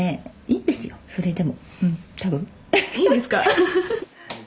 いいんですか？